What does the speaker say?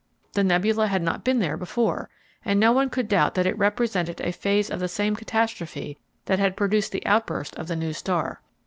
_ The nebula had not been there before, and no one could doubt that it represented a phase of the same catastrophe that had produced the outburst of the new star.